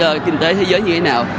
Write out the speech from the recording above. nắm mắt kinh tế thế giới như thế nào